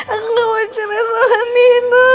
aku mau cerai sama nino